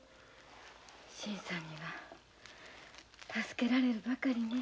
新さんには助けられるばかりね。